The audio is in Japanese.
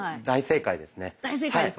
大正解ですか？